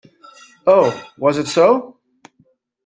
Oh, was it so?